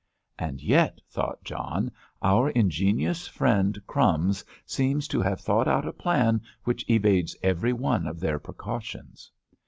"And yet," thought John, "our ingenious friend, 'Crumbs,' seems to have thought out a plan which evades every one of their precautions."